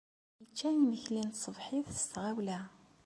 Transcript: Yečča imekli n tṣebḥit s tɣawla.